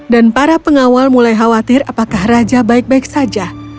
dan para pengawal mulai khawatir apakah raja baik baik saja